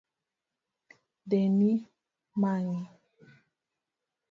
Nderni mangi